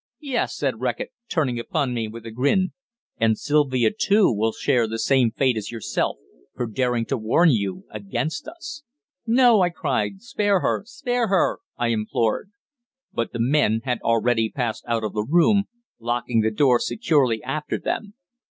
"Yes," said Reckitt, turning upon me with a grin. "And Sylvia too will share the same fate as yourself, for daring to warn you against us!" "No!" I cried; "spare her, spare her!" I implored. But the men had already passed out of the room, locking the door securely after them.